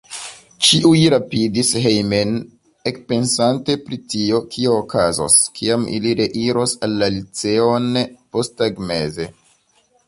Ĉiuj rapidis hejmen, ekpensante pri tio, kio okazos, kiam ili reiros la liceon posttagmeze.